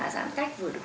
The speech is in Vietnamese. giãn cách vừa được